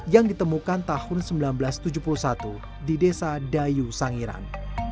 yang ditemukan tahun seribu sembilan ratus tujuh puluh satu di desa dayu sangiran